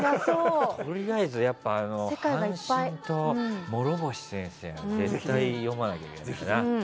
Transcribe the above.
とりあえず「半神」と諸星先生のは絶対に読まなきゃいけないよな。